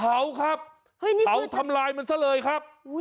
เผาครับเผาทำลายมันซะเลยครับ